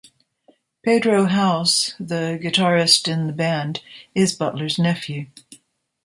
Pedro Howse, the guitarist in the band, is Butler's nephew.